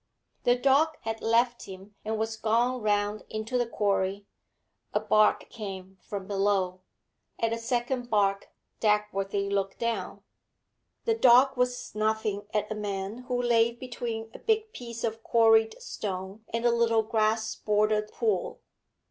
The dog had left him and was gone round into the quarry. A bark came from below. At a second bark Dagworthy looked down. The dog was snuffing at a man who lay between a big piece of quarried stone and a little grass bordered pool.